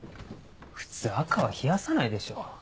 普通赤は冷やさないでしょ。